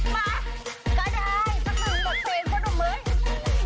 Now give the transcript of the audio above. มาก็ได้สักหนึ่งสักเพลงพอดุมมือ